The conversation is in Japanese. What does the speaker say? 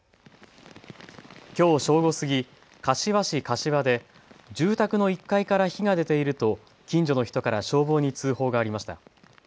きょう正午過ぎ、柏市柏で住宅の１階から火が出ていると近所の人から消防に通報がありました。